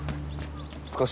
少し。